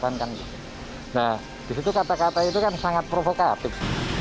nah disitu kata kata itu kan sangat provokatif